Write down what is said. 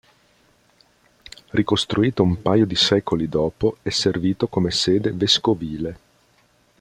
Ricostruito un paio di secoli dopo, è servito come sede vescovile.